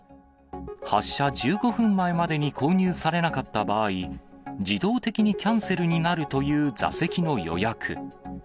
発車１５分前までに購入されなかった場合、自動的にキャンセルになるという座席の予約。